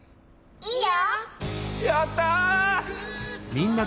いいよ。